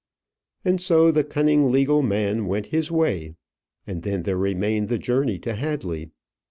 And so the cunning legal man went his way. And then there remained the journey to Hadley.